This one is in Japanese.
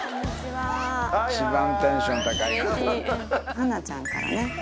ハナちゃんからね。